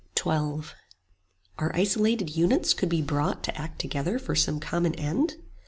XII Our isolated units could be brought To act together for some common end?